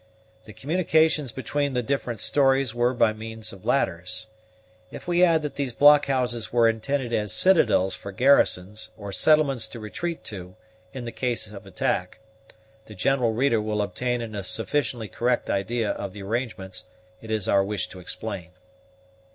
The communications between the different stories were by means of ladders. If we add that these blockhouses were intended as citadels for garrisons or settlements to retreat to, in the cases of attacks, the general reader will obtain a sufficiently correct idea of the arrangements it is our wish to explain.